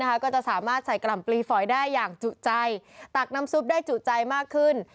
ก็จะสามารถใส่กล่ำปลีฝอยได้อย่างจุใจตักน้ำซุปได้จุใจมากขึ้น